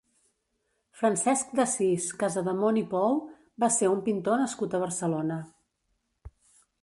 Francesc d'Assís Casademont i Pou va ser un pintor nascut a Barcelona.